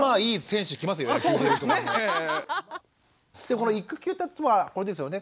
この育休ってつまりこれですよね